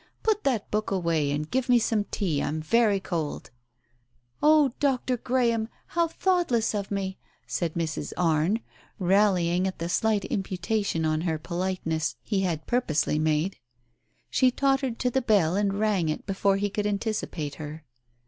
"Put that book away, and give me some tea, I'm very cold." "Oh, Dr. Graham, how thoughtless of me!" said Mrs. Arne, rallying at the slight imputation on her politeness he had purposely made. She tottered to the bell and rang it before he could anticipate her.